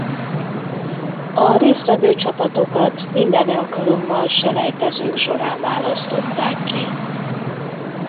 A részt vevő csapatokat minden alkalommal selejtezők során választották ki.